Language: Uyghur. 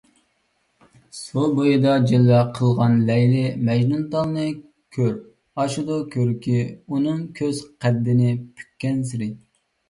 سۇ بويىدا جىلۋە قىلغان لەيلى - مەجنۇنتالنى كۆر، ئاشىدۇ كۆركى ئۇنىڭ ئۆز قەددىنى پۈككەنسېرى.